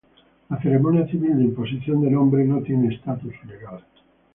La ceremonia civil de imposición de nombre no tiene estatus legal.